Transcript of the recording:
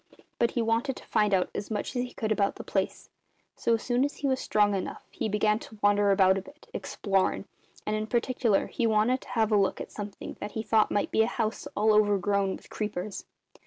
But he wanted to find out as much as he could about the place; so as soon as he was strong enough he began to wander about a bit, explorin', and in particular he wanted to have a look at something that he thought might be a house all overgrown with creepers.